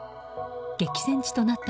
激戦地となった